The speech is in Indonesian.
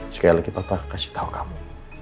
sekali lagi papa akan kasih tau kamu